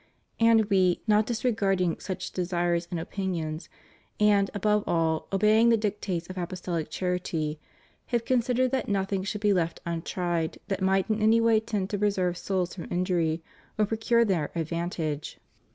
And We, not disregarding such desires and opinions, and, above all, obeying the dictates of apostolic charity, have considered that nothing should be left untried that might in any way tend to preserve souls from injury or procure their advantage.